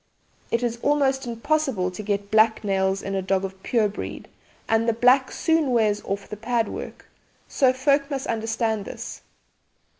It is almost impossible to get black nails in a dog of pure breed and the black soon wears off the pad work, so folk must understand this.